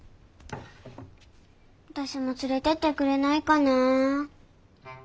私も連れてってくれないかなあ。